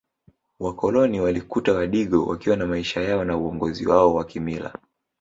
Wakoloni walikuta Wadigo wakiwa na maisha yao na uongozi wao wa kimila